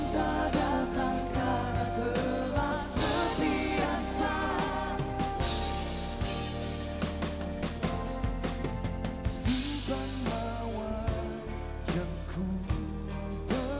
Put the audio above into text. semoga waktu akan menilai sisi hatimu yang betul